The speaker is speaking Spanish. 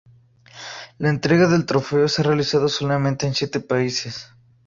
La entrega del trofeo se ha realizado solamente en siete países.